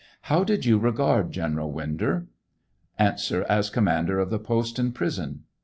How did you regard General WinJor? A. As commander of the post and prisou.